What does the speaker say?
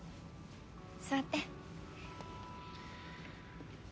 座って。